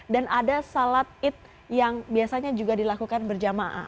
dan ada shalat id yang biasanya juga dilakukan berjamaah